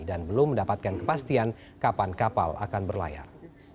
dan belum mendapatkan kepastian kapan kapal akan berlayar